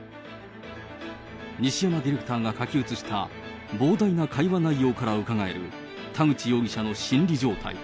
西山ディレクターが書き写した膨大な会話内容からうかがえる田口容疑者の心理状態。